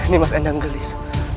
nih mas endang gelis